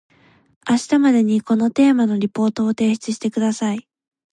明日までにこのテーマのリポートを提出してください